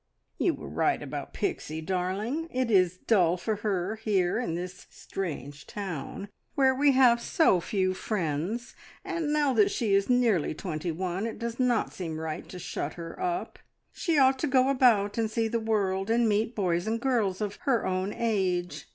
"You were right about Pixie, darling. It is dull for her here in this strange town, where we have so few friends; and now that she is nearly twenty one it does not seem right to shut her up. She ought to go about and see the world, and meet boys and girls of her own age.